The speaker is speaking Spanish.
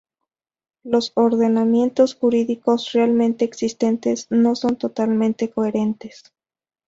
Los ordenamientos jurídicos realmente existentes no son totalmente coherentes.